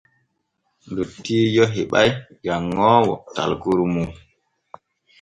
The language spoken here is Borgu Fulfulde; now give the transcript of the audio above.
Dottiijo heɓay janŋoowo talkuru mum.